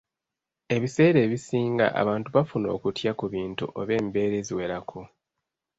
Ebiseera ebisinga abantu bafuna okutya ku bintu oba embeera eziwerako